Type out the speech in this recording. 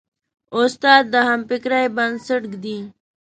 استاد د همفکرۍ بنسټ ږدي.